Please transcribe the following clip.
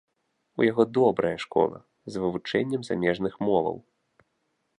У яго добрая школа, з вывучэннем замежных моваў.